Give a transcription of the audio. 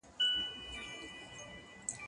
زه به سبا د کتابتوننۍ سره خبري کوم؟